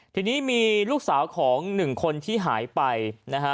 ทีนี้มีลูกสาวของหนึ่งคนที่หายไปนะฮะ